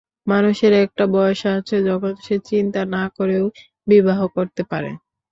মানুষের একটা বয়স আছে যখন সে চিন্তা না করেও বিবাহ করতে পারে।